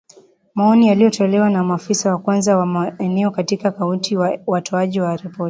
maoni yaliyotolewa na maafisa wa kwanza wa maeneo katika kaunti watoaji wa ripoti